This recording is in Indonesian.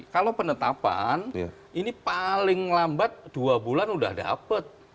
kalau penetapan ini paling lambat dua bulan sudah dapat